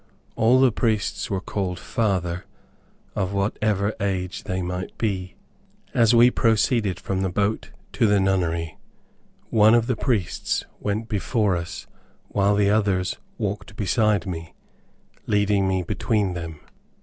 All the priests were called father, of whatever age they might be. As we proceeded from the boat to the Nunnery, one of the priests went before us while the others walked beside me, leading me between them.